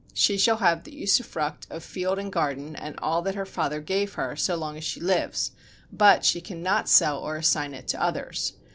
She shall have the usufruct of field and garden and all that her father gave her so long as she lives, but she cannot sell or assign it to others.